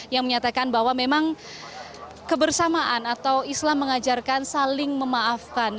yang menyatakan bahwa memang kebersamaan atau islam mengajarkan saling memaafkan